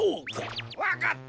わかった！